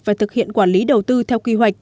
và thực hiện quản lý đầu tư theo quy hoạch